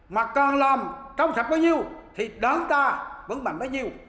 mà còn làm trong sạch bao nhiêu thì đảng ta vẫn mạnh bao nhiêu